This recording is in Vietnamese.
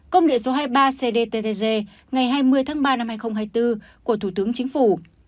công địa số hai mươi ba cdttg ngày hai mươi tháng ba năm hai nghìn hai mươi bốn của thủ tướng chính phủ